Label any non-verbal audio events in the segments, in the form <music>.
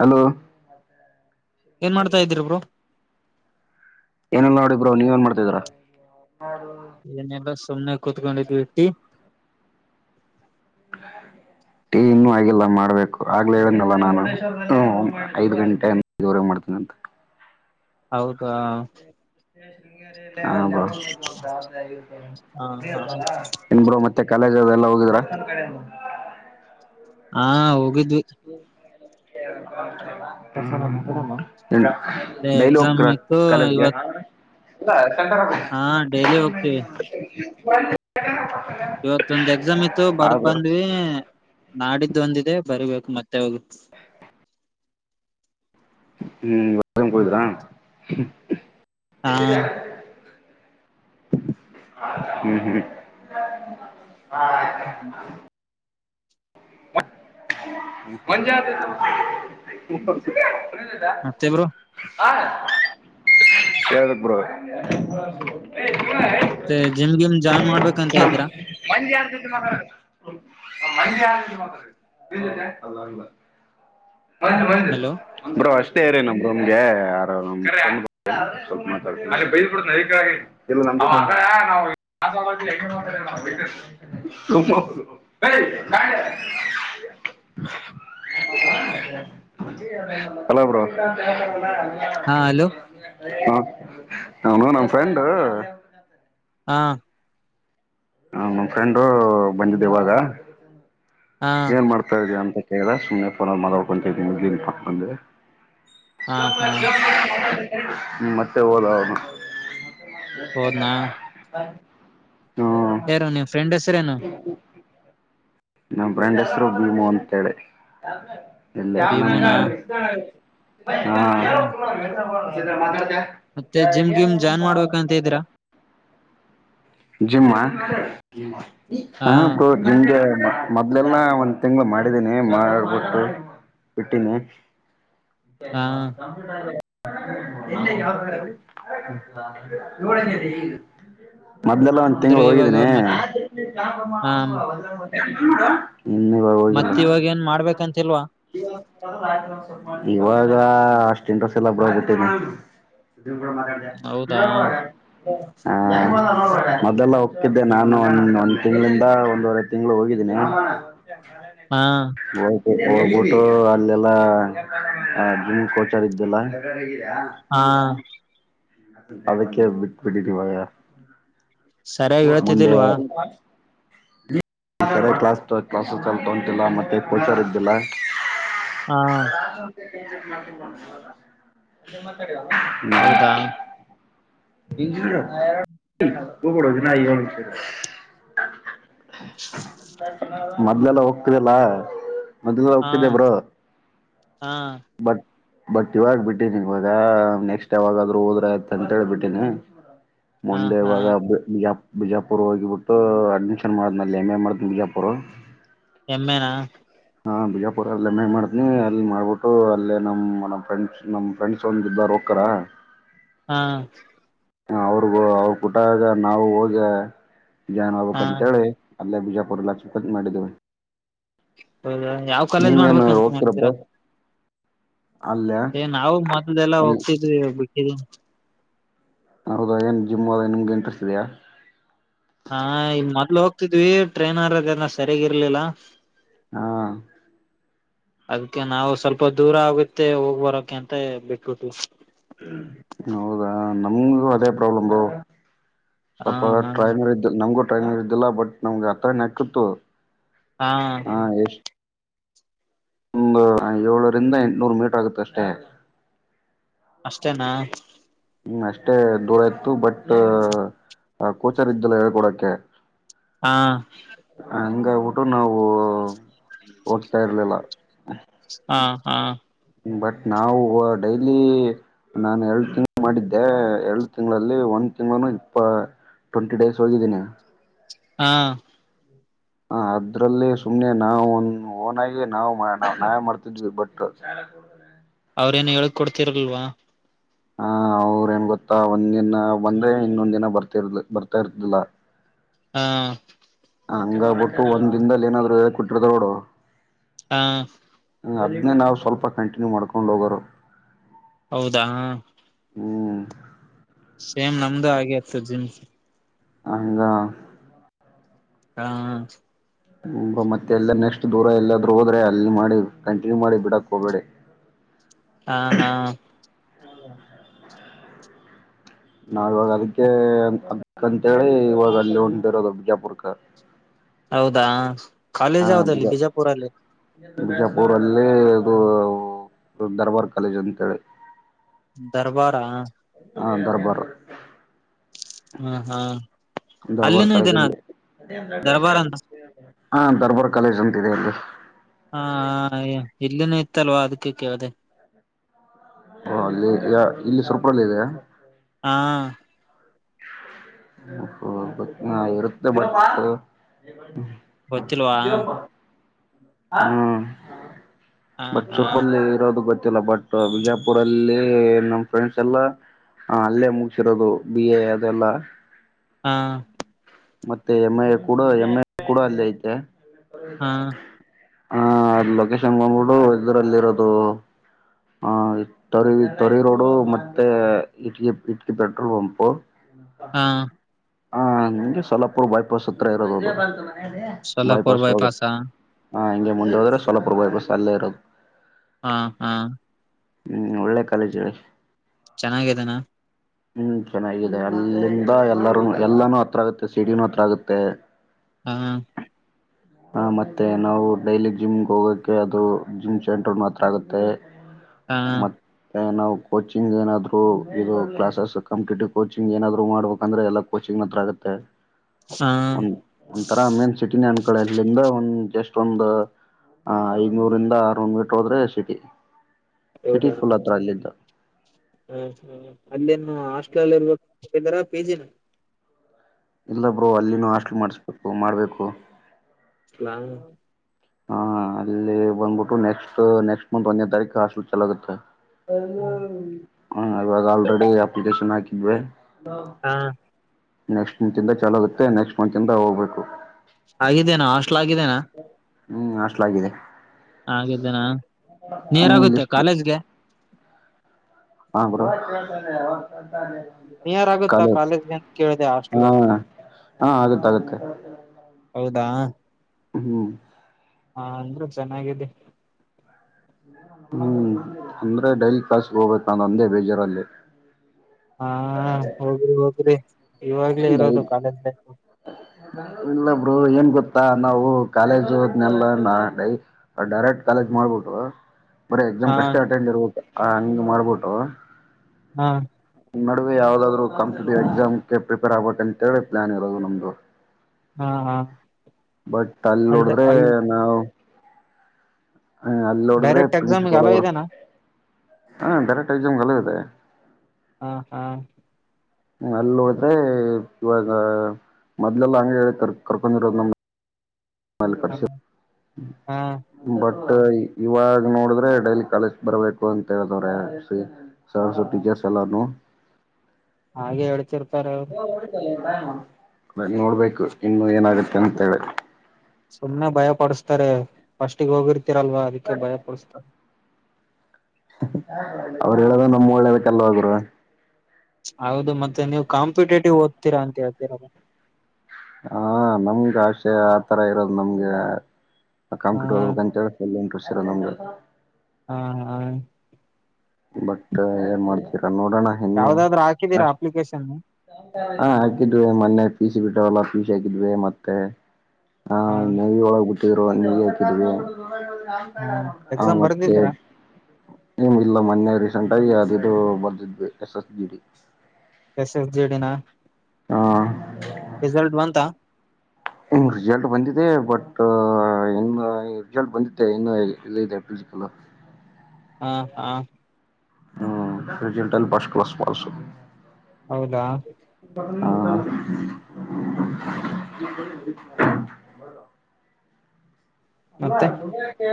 Hello ಏನ್ ಮಾಡ್ತಾ ಇದೀಿಬ್ರು ಏನಲ್ಲ ನೋಿದ್ರೋ ನೀವ ಏನ್ ಮಾಡತಿದ್ರಾ ಹೌದು ಇದನ್ನೆಲ್ಲಾ ಸುಮ್ಮನೆ ಕುೂತ್ಕೊಂಡಿದ್ ಬಿಟ್ಟಿ ಹ ಟೀ ಇನ್ನೂ ಆಗಿಲ್ಲ ಮಾಡಬೇಕು ಆಗ್ಲೇ ಹೇಳನಲ್ಲ ನಾನು ಐದು ಗಂಟೆುವರೆಗೆ ಮಾಡ್ತೀನಿ ಅಂತ ಹೌದಾ ಶೃಂಗ ಹ ಹಾ ಇನ್ರು ಮತ್ತೆ ಕಾಲೇಜ್ ಅದೆ ಎಲ್ಲ ಹೋಗಿದ್ರ ಹಾ ಹೋಗಿದ್ವಿ ಸ ನರಲ್ಲ ಎಕ್ಸಾಮ್ ಡೈಲಕ್ ಇತ್ತು ಕಲಜಗೆ ಇವತ್ ಹಾ ಡೈಲಿ ಇಲ್ಲ ಹೋಗ್ತೀವಿ ಸೆಟರ ಇವತ್ತೊಂದ್ ಎಕ್ಸಾಮ್ ಇತ್ತು ಬರ್ದ್ ಬಂದ್ವಿ ನಾಡಿದ್ದು ಒಂದಿದೆ ಬರ್ಬೇಕು ಮತ್ತೆ ಹೋಗ ಹ ಹ್ಮ್ ಕಿದ್ರಾ ಹಾ ಹ್ಮ್ ಹ್ಮ್ ಹ್ ಮಂಜತ ಕಿದದಾ ಮತ್ತೆ ಬ್ರೋ ಕದಕ್ ಬರ ಜಿಮ್ ಗಿಮ್ ಜಾಯ್ನ್ ಮಾಡ್ಬೇಕ ಅಂತ ಇದೀರಾ ಮಜಿ ಆ ಮಾತಾಡ ಮಜಿ ಮಾಾಡೊ ಅಲ್ಲ ಬದು ಬದು ಹಲೋ ಬ್ರೋ ಅಷ್ಟೇ ರಿ ನಮ್್ರೂಮ್ಗೆ ಯವಲ್ಪ ಮಾತಾ ಹಾ ಇಲ್ಲಾ <inaudible> ಹ ಹಲೋ ಬ್ರೋ ಹಾ ಹಲೋ ಹ ನನು ನಮ ಫ್ರೆಂಡ್ ಹಾ ಹ ನಮ್ಮ್ ಫ್ರೆಂಡು ಬಂದಿದ್ದ ಇವಾಗ ಹಾ ಏನ್ ಮಾಡ್ತಾ ಇದ ಅಂತ ಕೇಳ ಸುಮ್ಮನೆ ಫೋನ ಮಾತಾಡ್ಕೊಂತ ಇದೀನಿ ದನ್ ಪಂದೆ ಹಾ ಹಾ ಮತ್ತೆ ಹೋದ ಹೋದ್ನಾ ಹ ಯಾರೋ ನೀವು ್ರೆಂಡ್ಸೇ ಹ ನಮ್ಮ ಬ್ರಂಡ್ ಹೆಸರು ಭೀಮೋ ಅಂತಿ ಭೀಮುನಾ ಹ್ಮ್ ಮಾತ ಮತ್ತೆ ಜಿಮ್ ಗಿಮ್ ಜಾಯಿನ್ ಮಾಡ್ಬೇಕಂತ ಇದ್ದೀರಾ ಜಿಮ್ಮಾ ಹ ಹಾ ಬ ನಿಂಗೆ ಮೊದ್ಲೆಲ್ಲನ ಒಂದ್ ತಿಂಗ್ಳ ಮಾಡಿದೀನಿ ಮಾಡ್ಬಿಟ್ಟು ವಿಟ್ಟಿನ ಹಾ ಎಲ್ಲ ಯಾವ ಳ ಮೊದ್ಲೆಲ್ಲ ಒಂದ ಅಂದ್ರೆ ತಿಂಗಳ ಇವಾಗ ಹೋಗಿದ್ದೀನಿ ಮತ್ ಹ ಇನ್ನು ಇವಾಗ ಹೋಗಿಲ್ಲ ಮತ್ತತ್ ಇವಾಗ ಏನ್ ಮಾಡ್ಬೇಕಂತಿಲ್ವಾ ಇವಾಗ ಅಷ್ಟ ಇನ್ ದಸೆಲ್ಲ ಬಳಬಟ್ಟೇನೆ ಸ ಕೂಡ ಮಾತಾಡ ಹೌದಾ ಮದಲ್ಲ ಹೋಗ್ತಿದ್ದೆ ನಾನು ಒಂದ್ ಒಂದ್ ತಿಂಗ್ಗಳಿಂದ ಒಂದುವವರೆೈ ತಿಂಳ ಹೋಗಿದ್ದೀನಿ ಹ್ಮ ಹಾ ಬಟ್ಟು ಅಲ್ಲೆಲ್ಲಾ ಜಿಮ ಗೋಚಾರ್ ಇದ್ದಲ್ಲ ಹಾ ಅದಕ್ಕೆ ಬಿಟ್ಟ ಬಿಟ್ಟ ಪಯಾ ಸರಿಯಾಗಿ ಮುಂದೆ ಹೇಳ್ತಿದ್ದಿಲ್ವಾ ಈ ಕರೆ ಕ್ಲಾಸ್ ಕ್ಲಾಸ್ ಚಲ್ ತೊಂತಿಲ್ಲ ಮತ್ತೆ ಪೋಚರ್ ಇದ್ದಿಲ್ಲ ಹಾ ಅ ಮಾ ಅ ಹೌದಾ ಬದು ನ ಮೊದ್ಲೆಲ್ಲ ಹೋಗ್ತದೆಲ್ಲ ಮದ ಹಾ ಒಕ್ಕಿದೆ ಬ್ರೋ ಹಾ ಬಟ್ ಬಟ್ ಇವಾಗ ಬಿಟ್ಟಿದಿ ಇವಾಗ ನೆಕ್ಸ್ಟ್ ಯಾವಾಗಾದ್ರುೂ ಹೋದ್ರ ಆಯ್ತ ಅಂತೇಳ್ಬಿಟ್ಟಿನಿ ಹಾ ಮುಂದೆ ಹಾ ಇವಾಗ ಹಬ್. ಬಿಜಾ ಬಿಜಾಪುರ್ ಹೋಗಿಬಿಟ್ಟು. ಅಡ್ಮಿಷನ್ ಮಾಡಿದ್ನ ಅಲ್ಲಿ ಎಂ ಎ ಮಾಡ್ತನ ಬಿಜಾಪುರ್. ಎಂ ಎ ನಾ. ಹಾ ಬಿಜಾಪುರ ಅಲ್ಲಿ ಎಂ ಎ ಮಾಡ್ತನಿ ಅಲ್ಲಿ ಮಾಡ್ಬಿಟ್ಟು ಅಲ್ಲೇ ನಮ್ಮ್ ನಮ್ ಫ್ರೆಂಡ್ಸ್ ನಮ್. ಫ್ರೆಂಡ್ಸ್ ಒಂದು ಇದ್ದ ಹೋಗಕ್ಕರ. ಹಾ. ಅವ್ರಗ ಅವ್ರ ಕುೂಟಾಗ ನಾವ ಹೋಗ ಜಾಯನ್ ಹಾ ಆಗ್ಬೇಕಕ್ಂತೇಳಿ. ಅಲ್ಲೇ ಬಿಜಾಪುರಲ್ಲಿ ಲಕ್ಷ್ಮೀಪತಿ ಮಾಡಿದ್ದೇವೆ. ಹೌದಾ ಯಾವ್ ಕಾಲೇಜ್ ನೀವೇನು ಮಾಡ್ಬೇಕಂತ ಹೋಗ್ತಿರ ಬ್ರೋ ಮಾಡಿದ್ರಾ. ಅಲ್ಲೇ ಏ ನಾವು ಮೊದದೆಲ್ಲಾ ಅಲ್ಲಿ ಹೋಗ್ತಿದ್ವಿ ಇವಾಗ ಬಿಟ್ಟಿದೀನಿ. ಹೌದಾ ಏನ್ ಜಿಮ್ ಆದದ ನಿಮ್ಗೆ ಇಂಟ್ರೆಸೆಸ್ಟ್ ಇದೆಯಾ. ಹಾ ಈ ಮೊದ್ಲು ಹೋಗ್ತಿದ್ವಿ ಟ್ರೈನರ್ ಅದ ಸರಿಯಾಗಿಿರ್ಲಿಲ್ಲ. ಹಾ. ಅದಕ್ಕೆ ನಾವು ಸ್ವಲ್ಪ ದೂರ ಆಗುತ್ತೆ ಹೋಗ್ ಬರೋಕ ಅಂತ ಬಿಟ್ಬಿಟ್ವಿ. ಹೌದಾ ನಮಗು ಅದೇ ಪ್ರಾಬ್ಲಮ ಹಾ ಸ್ವಲ್ಪ ಹಾ ಟ್ರೈನರ್ ನಮಗೂ ಟ್ರೈಮಂಗಿಲ್ಲ ಬಟ್ ನಮ್ಗೆ ಆಥ ಹಾಕಿತ್ತು ಹಾ ಎ ಒ ಏಳರಿಂದ ಎಂಟ್ುನೂರು ಮೀಟರ್ ಆಗುತ್ತೆ ಅಷ್ಟೇ ಅಷ್ಟೇನಾ ಹ್ಮ್ ಅಷ್ಟೇ ದೂರ ಇತತ್ತು ಬಟ್ ಕೋಚರ್ ಇದ್ದಲ್ಲ ಹೇಳ್ಕೊಡಕೆ ಹಾ. ಹಂಗಾಗಬಿಟ್ಟು ನಾವು. ಹೋಗ್ತಾ ಇರ್ಲಿಲ್ಲ ಹಾ ಹಾ. ಬಟ್ ನಾವು ಡೈಲಿ. ನಾನ್ ಎರಡು ತಿಂಗಳ್ ಮಾಡಿದ್ದೆ ಎರಡು ತಿಂಗಳಲ್ಲಿ ಒಂದ್ ತಿಂಗಳನು ಇಪ್ಪ. ಟ್ವೆಂಟಿಡೇಸ್ ಹೋಗಿದ್ದೀನಿ. ಹಾ. ಹ ಅದ್ರಲ್ಲಿ ಸುಮ್ನೆ ನಾವವುನ್ ಓನಗ ನಾವು ನಾವೇ ಮಾಡ್ತಿದ್ವಿ ಬಟ್. ಅವ್ರೇಏನ್ ಹೇಳ್ ಕೊಡ್ತಿರಲ್ವಾ. ಹ ಅವ್ರೇಏನ್ ಗೊತ್ತಾ ಒಂದ ದಿನ ಬಂದ್ರೆ ಇನ್ನೊಂದ್ ದಿನ ಬರ್ತಿರ್ ಬರ್ತಾ ಇರ್ತಿಲ್ಲ. ಹಾ. ಹಂಗ ಬಿಟ್ಟು ಒಂದ್ ದನ್ದಲ್ಲಿ ಏನಾದ್ರು ಕೊಟ್ಟಿರ್ತ ನೋಡು. ಹಾ. ಹ ಅದನ್ನೇ ನಾವ್ ಸ್ವಲ್ಪ ಕಂಟಿನ್ಯೂ ಮಾಡ್ಕೊಂಡ್ ಹೋಗೋರು. ಹೌದಾ. ಹ್ಮ್ ಶೆಮ್ ನಮ್ದು ಆಗೆ ಆತ್ತು ಜಿಮ್. ಹಂಗ. ಹಾ ಹೆಂಗೋ ಮತ್ತೆ ಎಲ್ಲ ನೆಸ್ಟ್ ದೂರ ಎಲ್ಲಾದ್ರು ಹೋದ್ರೆ ಅಲ್ಲಿ ಮಾಡಿ ಕಂಟಿನ್ಯೂ ಮಾಡಿ ಬಿಡಕ್ ಹೋಗಬೇಡಿ. ಹಾ ಹಾ. <inaudible> ನಾವ ಇವಾಗ ಅದಕ್ಕೆ ಅದಂತೇಳಿ ಇವಾಗ ಅಲ್ಲಿ ಹೊಂಟಿರೋದು ವಿಜಾಪುರಕ್ಕೆ. ಹೌದಾ ಕಾಲೇಜ್ ಯಾವ್ದಲ್ಲಿ ಬಿಜಾಪುರಲ್ಲಿ. ಬಿಜಾಪುರ ಅಲ್ಲಿ ಇದು ದರ್ಬಾರ್ ಕಾಲೇಜ್ ಅಂತೇಳಿ. ದರ್ಬಾರ. ಹಾ ದರ್ಬರ್. ಹಾ ಹಾ. ದರ್ಬಾರ್ ಅಲ್ಲಿನೂ ಇದೆನಾ ಕಾಲೇಜಲ್ಲಿ ದರ್ಬಾರ್ ಅಂತ <unintelligible> ಹಾ ದರ್ಬಾರ್ ಕಾಲೇಜ್ ಅಂತ ಇದೆ ಅಲ್ಲಿ. ಹಾ ಇಲ್ಲಿನು ಇತ್ತಲ್ವಾ ಅದಕ್ಕೆ ಕೇಳ್ದೆ. ಹ ಅಲ್ಲಿ ಇಲ್ಲಿ ಸುರ್ಪುರಲ್ಲ ಇದೆಯಾ. ಹಾ ಅ ಇರುತ್ತ ಬಿಡ್. ಗೊತ್ತಿಲ್ವಾ ಹ್ಮ್ ಹಾ ಬಟ್ ಹಾ ಸ್ವಲ್ಪ ಲೇಟ್ ಇರೋದು ಗೊತ್ತಿಲ್ಲ ಬಟ್ ವಿಜಾಪುರ ಅಲ್ಲಿ ನಮ್ ಫ್ರೆಂಡ್ಸ್ ಎಲ್ಲಾ. ಹ ಅಲ್ಲೇ ಮುಗಸಿರೋದು ಬಿ ಎ ಅದೆಲ್ಲ. ಹಾ. ಮತ್ತೆ ಎಂ ಐ ಕೂಡ ಎಮ್ ಐ ಕೂಡ ಅಲ್ಲಿ ಐತೆ. ಹಾ ಹ ಲೊಕೇಶನ್ ಬಂದ್ಬಿಡು ಇದ್ರಲ್ಲಿ ಇರೋದು. ಹ ತೊರಿ ತೋರಿ ರೋಡು ಮತ್ತೆ ಇಟ್ಕಿ ಇಟ್ಕಿ ಪೆಟ್ರೋಲ್ ಪಂಪ್ ಹಾ ಹ ಹಿಂಗೆ ಸಲಾಪುರ್ ಬೈಪಾಸ್ ಹತ್ರ ಇರೋದು ಅದು. ಸೋಲಾಪುರ್ ಬೈಪಾಸ್ ಹೋಗ ಬೈಪಾಸ ಹ ಹಿಂಗೆ ಮುಂದೆ ಹೋದ್ರೆ ಸೊಲ್ಲಾಪುರ ಬೈಪಾಸ್ ಅಲ್ಲೇ ಇರದು. ಹಾ ಹಾ ಹ್ಮ್ ಒಳ್ಳೆ ಕಾಲೇಜೆ. ಚೆನ್ನಾಗಿದನಾ ಹ್ಮ್ ಚೆನ್ನಾಗಿದೆ ಅಲ್ಲಿಂದ ಎಲ್ಲಾರೂ ಎಲ್ಲಾನೂ ಹತ್ರ ಆಗುತ್ತೆ ಸಿಡಿನೂ ಹತ್ರ ಆಗುತ್ತೆ. ಹಾ ಆ ಮತ್ತೆ ನಾವು ಡೈಲಿ ಜಿಮ್ಗೆ ಹೋಗೋಕ್ಕೆೆ ಅದು ಜಿಮ್ ಸೆಂಟ್ರರ್ಡ್ ಮಾತ್ರ ಆಗುತ್ತೆ. <inaudible> ಮತ್ತೆ ನಾವು ಕೋಚಿಂಗ್ ಏನಾದ್ರು ಇದು ಕ್ಲಾಸ್. ಕಾಂಪಿಟಟಿವ್ ಕೋಚಿಂಗ್ ಏನಾದ್ರು ಮಾಡ್ಬೇಕಂದ್ರೆ ಎಲ್ಲಾ ಕೋಚಿಂಗ್ ಹತ್ರ ಆಗತ್ತೆ. ಹಾ ಒಂತರ ಮೇನ್ ಸಿಟಿನೆ ಅನ್ಕೊಂಲಿ ಇಲ್ಲಿಂದ ಒಂದ್ ಜಸ್ಟ್ ಒಂದು. ಹ ಐದನೂರಿಂದ ಆರ್ನೂರು ಮೀಟರ್ ಹೋದ್ರೆ ಸಿಟಿ ಸಿಟಿ ಫುಲ್ ಹತ್ರ ಅಲ್ಲಿಂದ. ಹ ಹ ಅಲ್ಲಿೇನು ಹಾಸ್ಟಲ್ ಅಲ್ಲಿ ಇರ್ಬೇಕಾರ ಪಿ ಜಿ. ಇಲ್ಲ ಬ್ರೋ ಅಲ್ಲಿನ ಹಾಸ್ಟ್ಲ್ ಮಾಡಿಸ್ಬೇಕು ಮಾಡ್ಬೇಕು. ಹಾಸ್ಟೆಲಾ ಹಾ ಅಲ್ಲಿ ಬಂದ್ಬಿಟ್ಟು ನೆಕ್ಸ್ಟ್ ನೆಕ್ಸ್ಟ್ ಮಂತ್ ಒಂದನೇ ತಾರೀಕು ಹಾಷ್ಲೂ ಚಲೋ ಆಗುತ್ತೆ. ಹ ಇವಾಗ ಆಲ್ರೆಡಿ ಅಪ್ಲಿಕೇಶನ್ ಹಾಕಿದ್ವಿ. ಹಾ ನೆಕ್ಸ್ಟ್ ಮಂತ್ ಇಂದ ಚಾಲೂ ಆಗುತ್ತೆ ನೆಕ್ಸ್ಟ್ ಮಂತ್ ಇಂದ ಹೋಗ್ಬೇಕು. ಆಗಿದ್ದೇನಾ ಹಾಸ್ಟ್ಲ್ ಆಗಿದ್ದೇನಾ. ಹ್ಮ್ ಹಾಷ್ಲಾಗಿದೆ. ಹಾಗಿದ್ದೇನಾ ಹ್ಮ್ ನೀೇರ್ಗುತ್ತೆ ಲಿಸ್ಟ್ ಕಾಲೇಜ್ಗೆ ಹ ನಿಯರ್ ಆಗುತ್ತಾ ಕಲೆ ಕಾಲೇಜ್ಗೆ ಅಂತ ಕೇಳಿದೆ ಹಾ ಹಾಸ್ಟೆಲು ಹಾ ಆಗತ್ತ ಆಗುತ್ತೆ ಹೌದಾ ಹ್ಮ್ ಹಾ ಅಂದ್ರೆ ಚೆನ್ನಾಗಿದ್ದೆ ಹ್ಮ್ ಅಂದ್ರೆ ಡೈಲಿ ಕ್ಲಸ್ ಗೆ ಹೋಗ್ಬೇಕು ಅ ಅಂದೇ ಬೇಜಾರಲ್ಲಿ ಹಾ ಹೋಗ್ರಿ ಹೋಗ್ರಿ ಇವಾಗ್ಲೇ ಇರೋದು ಡೈಲಿ ಕಾಲೇಜ್ ಲೈಫ್ ಇಲ್ಲ ಬ್ರರು ಏನ್ ಗೊತ್ತಾ ನಾವು ಕಾಲೇಜು ಹದ್ನೆಲ್ಲ ನೈ ಡೈರೆಕ್ಟ್ ಕಾಲೇಜ ಮಾಡ್ಬಿಟ್ಟು ಬರೀ ಎಕ್ಸಾಮ್ ಹಾ ಕಷ್ಟೇ ಅಟೆಂಡ್ ಇರ್ಬು ಹಂಗಗೆ ಮಾಡ್ಬಿಟ್ಟು ಹಾ ನಡುವೆ ಯಾವ್ದಾದ್ೂ ಕಂಪಿಟೇಟಿವ್ ಎಕ್ಸಾಮ್ಗೆ ಪ್ರಪೇರ್ ಆಗ್ಬಬೇಕು ಅಂತೇಳಿ ಪ್ಲಾನ್ ಇರೋದು ನಮ್ದು ಹಾ ಹಾ ಬಟ್ ಅಲ್ಲಿ ಅಲ್ಡ್ ನೋಡಿದ್ರೆ ಅಲ್ ನಾವು ಹ ಅಲ್ಲಿ ನೋಡಿದ್ರೆ ಡೈರೆಕ್ಟ್ ಎಕ್ಸಾಮ್ಗೆ ಪ್ರಿನ್ಸಿಪಾಲ್ ಅಲೋ ಅವರು ಇದೆನಾ ಹ ಡೈರೆಕ್ಟ್ ಎಕ್ಸಾಮ್ ಕಲದೆ ಹಾ ಹಾ ಅಲ್ಲಿ ಹೋಡಿದ್ರೆ ಇವಾಗ ಮದ್ಲೆಲ್ಲಾ ಹಂಗ ಹೇಳ ಕ ಕರ್ಕೊಂಡಿರೋದು ನಮ್ದ ಹಾ ಮಲ್ಕರ್ಶ ಹಾ ಬಟ್ ಇವಾಗ ನೋಡಿದ್ರೆ ಡೈಲಿ ಕಾಲೇಜ್ ಬರ್ಬೇಕು ಅಂತ ಹೇಳ್ದವ್ರೆಸ ಸರಸ್ವತಗೆ ಚಲಾನು ಹಾಗೆ ಹೇಳ್ತಿರ್ತಾರೆ ಅವರು <unintelligible> ಸುಮ್ನೆ ಭಯಪಡಿಸುತ್ತಾರೆ ಫಸ್ಟಿಗೆ ಹೋಗಿರ್ತೀರಲ್ವಾ ಅದಕ್ಕೆ ಭಯ ಪಡಸ್ತಾರೆ ಅವ್ರು ಹೇಳದ ನಮ್ಮ್ ಒಳ್ಳೇದಕ್ಕೆ ಅಲ್ವಾ ಗುರು ಹೌದು ಮತ್ತೆ ನೀವು ಕಾಂಪಿಟೇಟಿವ್ ಒಗತೀರ ಅಂತ ಹೇಳ್ತೀರೋದು ಹ ನಮ್ಗೆ ಆಷೆ ಆತರ ಇರೋದು ನಮ್ಗೆ ಹಾ ಕಾಂಪ್ಲೀಟ್ ಹೋಗತ್ತೆ ಹೇಳಿ ಏಳು ಎಂಟು ವರ್ಷ ನಮ್ಗೆ ಹಾ ಹಾ ಬಟ್ ಏನ್ ಮಾಡ್ತೀರಾ ನೋಡೋಣ ಇನ್ನು ಯಾವ್ದಾದ್ರು ಹ ಹಾಕಿದೀರಾ ಅಪ್ಲಿಕೇಶನ್ ಹಾ ಹಾಕಿದ್ವಿ ಮೊನ್ನೆ ಪೀಸ ಬಿಟ್ಟವಲ್ಲ ಪೀಸ್ ಹಾಕಿದ್ವಿ ಮತ್ತೆ ಹಾ ನವಿ ಒಳಗ್ ಬಿಟ್ಟಿದ್ರು ನೀ ಹಾಕಿದವಿ ಹಾ <unintelligible> ಹ ಎಕ್ಸಾಮ್ ಮತ್ತೆ ಬರ್ದಿದ್ದೀರಾ ನಿಂಗೆ ಇಲ್ಲ ಮೊನ್ನೆ ರೀಸೆಂಟ್ ಆಗಿ ಅದು ಇದು ಬರ್ದಿದ್ವಿ S S G D S S J ಡಿನ ಹ ರಿಸಲ್ಟ್ ಬಂತ ರಿಸಲ್ಟ್ ಬಂದಿದೆ ಬಟ್ ಇನ್ನು ರಿಸಲ್ಟ್ ಬಂದಿದ್ದೆ ಇನ್ನುೂ ಇಲ್ಲಿದೆ ಫಿಸಿಕಲು ಹಾ ಹಾ ಹ್ಮ್ ರಿ ಅಲ್ಲಿ ಪಸ್ಟ್ ಕ್ಲಾಸ್ ಪು ಹೌದಾ <unintelligible> ಮತ್ತೆ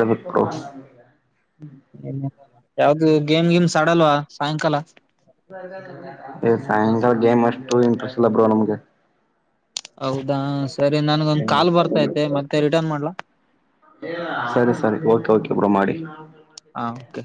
ಹೇಳ್ಬೇಕು <unintelligible> ಯಾವ್ದು ಗೇಮ್ ಗಿಮ್ಸ್ ಆಡಲ್ವಾ ಸಾಯಂಕಾಲ ಸಾಯಂಕಾಲ ಗೇಮ್ ಅಷ್ಟು ಇಂಟ್ರೆಸ್ಟ್ ಇಲ್ಲ ಬಿಡುವ ನಮ್ಗೆ ಹೌದಾ ಸರಿ ನನ್ಗ ಒಂದ್ ಕಾಲ್ ಬರ್ತೈತೆ ಮತ್ತೆ ರಿಟರ್ನ್ ಮಾಡ್ಲಾ <unintelligible> ಸರಿ ಸರಿ ಓಕೆ ಓಕೆ ಬೀಡು ಮಾಡಿ ಹಾ ಓಕೆ